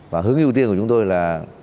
và hướng ưu tiên của chúng tôi là